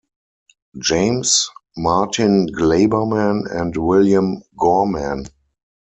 James, Martin Glaberman, and William Gorman.